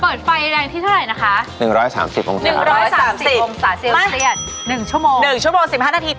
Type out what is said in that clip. เปิดไฟแรงที่เท่าไหร่นะคะหนึ่งร้อยสามสิบองศาเซลเซียสหนึ่งชั่วโมงสิบห้านาที